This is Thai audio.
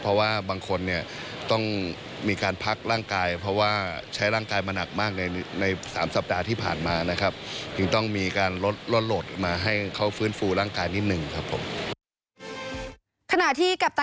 เพราะว่าบางคนเนี่ยต้องมีการพักร่างกายเพราะว่าใช้ร่างกายมาหนักมากในสามสัปดาห์ที่ผ่านมานะครับ